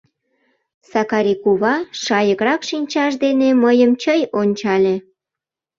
— Сакари кува шайыкрак шинчаж дене мыйым чый ончале.